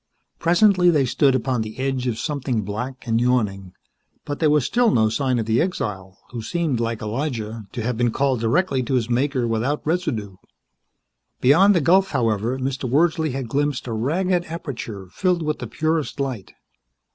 Presently they stood upon the edge of something black and yawning, but there was still no sign of the exile, who seemed, like Elijah, to have been called directly to his Maker without residue. Beyond the gulf, however, Mr. Wordsley had glimpsed a ragged aperture filled with the purest light.